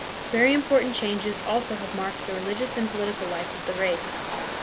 Very important changes also have marked the religious and political life of the race.